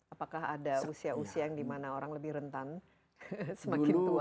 apakah ada usia usia yang dimana orang lebih rentan semakin tua